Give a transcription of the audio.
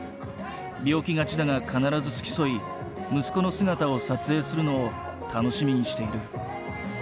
病気がちだが必ず付き添い息子の姿を撮影するのを楽しみにしている。